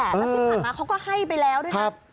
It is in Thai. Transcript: แล้วที่ผ่านมาเขาก็ให้ไปแล้วด้วยนะ